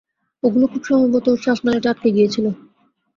ওগুলো খুব সম্ভবত ওর শ্বাসনালীতে আটকে গিয়েছিল।